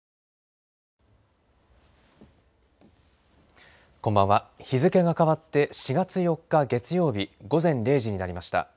日付が変わって、４月４日月曜日午前０時になりました。